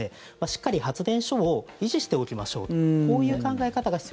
しっかり発電所を維持しておきましょうとこういう考え方が。